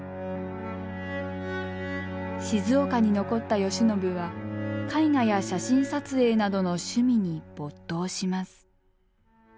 静岡に残った慶喜は絵画や写真撮影などの趣味に没頭します。